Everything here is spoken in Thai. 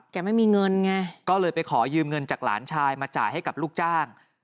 ไม่มีเงินไงก็เลยไปขอยืมเงินจากหลานชายมาจ่ายให้กับลูกจ้าง